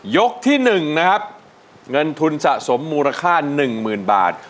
ยกที่๑นะครับเงินทุนจะสมมูลค่าหนึ่งหมื่นบาท